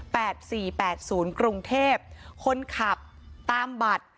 สี่แปดศูนย์กรุงเทพคนขับตามบัตร